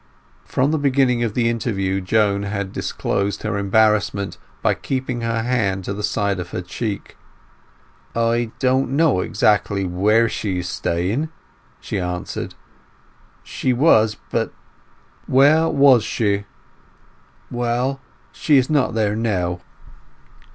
From the beginning of the interview Joan had disclosed her embarrassment by keeping her hand to the side of her cheek. "I—don't know exactly where she is staying," she answered. "She was—but—" "Where was she?" "Well, she is not there now."